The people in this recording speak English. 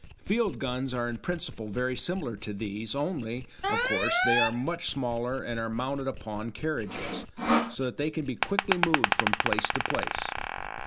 Field guns are in principle very similar to these, only, of course, they are much smaller and are mounted upon carriages, so that they can be quickly moved from place to place.